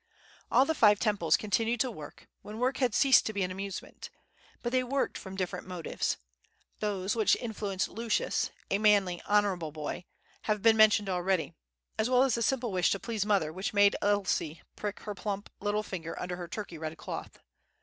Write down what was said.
All the five Temples continued to work, when work had ceased to be an amusement; but they worked from different motives. Those which influenced Lucius—a manly, honorable boy—have been mentioned already, as well as the simple wish to please mother which made Elsie prick her plump little finger under her Turkey red cloth.